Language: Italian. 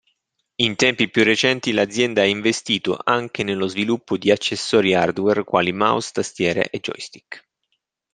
In tempi più recenti l'azienda ha investito anche nello sviluppo di accessori hardware quali mouse, tastiere e joystick.